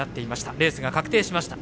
レースが確定しました。